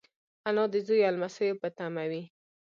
انا د زوی او لمسيو په تمه وي